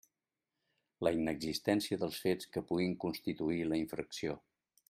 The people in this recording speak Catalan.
La inexistència dels fets que puguin constituir la infracció.